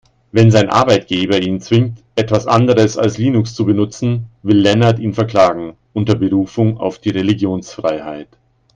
Wenn sein Arbeitgeber ihn zwingt, etwas anderes als Linux zu benutzen, will Lennart ihn verklagen, unter Berufung auf die Religionsfreiheit.